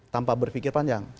tanpa berpikir panjang